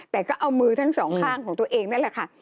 แต่ก็เอามือทั้งสองข้างของตัวเองนั่นแหละค่ะ